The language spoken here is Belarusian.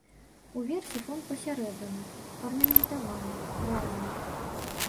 Уверсе фон пасярэбраны, арнаментаваны, разны.